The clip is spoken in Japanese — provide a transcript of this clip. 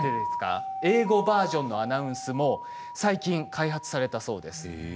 英語バージョンのアナウンスも最近開発されたそうです。